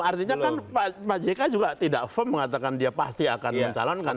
artinya kan pak jk juga tidak firm mengatakan dia pasti akan mencalonkan